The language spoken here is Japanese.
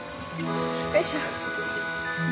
よいしょ。